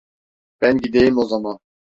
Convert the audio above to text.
Ben gideyim o zaman.